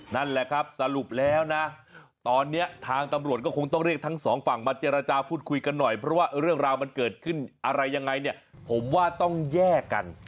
นั่นแหละครับสรุปแล้วนะตอนนี้ทางตำรวจก็คงต้องเรียกทั้งสองฝั่งมาเจรจาพูดคุยกันหน่อยเพราะว่าเรื่องราวมันเกิดขึ้นอะไรยังไงเนี่ยผมว่าต้องแยกกัน